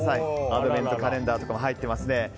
アドベントカレンダーとかも入っていますね。